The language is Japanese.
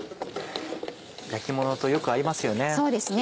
焼きものとよく合いますよね。